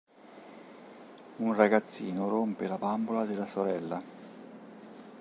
Un ragazzino rompe la bambola della sorella.